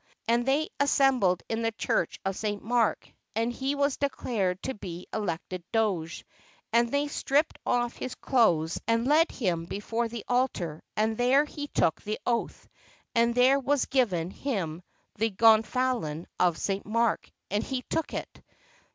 And they assembled in the church of St. Mark, and he was declared to be elected Doge; and they stripped off his clothes and led him before the altar, and there he took the oath, and there was given him the gonfalon of St. Mark, and he took it.